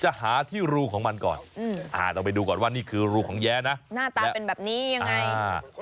หาที่รูของมันก่อนเราไปดูก่อนว่านี่คือรูของแย้นะหน้าตาเป็นแบบนี้ยังไง